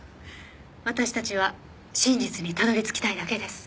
私たちは真実にたどり着きたいだけです。